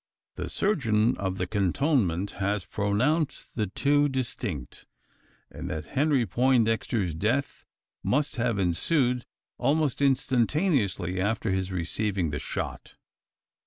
The surgeon of the cantonment has pronounced the two distinct, and that Henry Poindexter's death must have ensued, almost instantaneously after his receiving the shot.